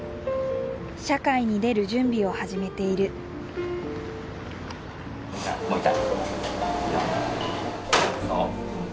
社会に出る準備を始めている本当？